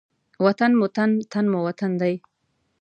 وطن مو تن، تن مو وطن دی.